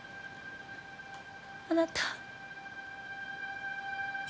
あなた？